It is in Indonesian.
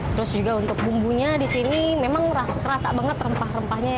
terus juga untuk bumbunya disini memang rasa banget rempah rempahnya